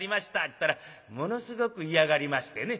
ちゅうたらものすごく嫌がりましてね。